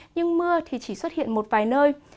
nhưng mưa thì chỉ xuất hiện một vài nơi